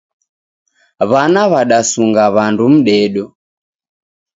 W'ana w'adasunga w'andu mdedo